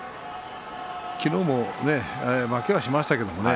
昨日も負けはしましたけれどもね。